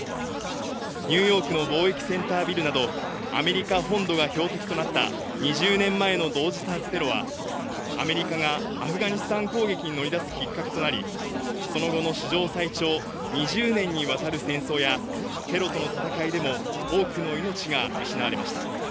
ニューヨークの貿易センタービルなどアメリカ本土が標的となった２０年前の同時多発テロはアメリカがアフガニスタン攻撃に乗り出すきっかけとなりその後も史上最長２０年にわたる戦争はテロとの戦いでも多くの命が失われました。